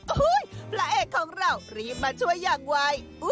โอ้โหพระเอกของเรารีบมาช่วยอย่างไว